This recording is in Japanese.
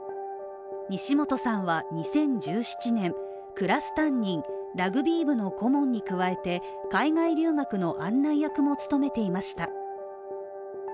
西本さんは２０１７年、クラス担任、ラグビー部の顧問に加えて海外留学の案内役も務めていました。